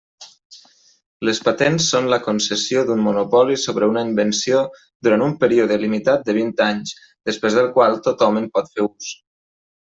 Les patents són la concessió d'un monopoli sobre una invenció durant un període limitat de vint anys, després del qual tothom en pot fer ús.